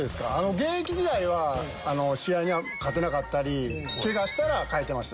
現役時代は試合に勝てなかったりケガしたら替えてました。